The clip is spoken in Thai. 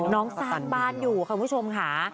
น้องสร้างบ้านอยู่คุณผู้ชมค่ะ